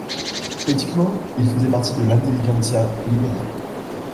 Politiquement, il faisait partie de l'intelligentsia libérale.